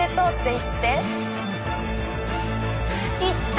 言って！